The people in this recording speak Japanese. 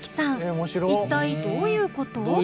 一体どういうこと？